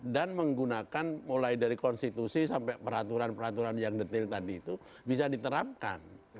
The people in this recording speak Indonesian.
dan menggunakan mulai dari konstitusi sampai peraturan peraturan yang detail tadi itu bisa diterapkan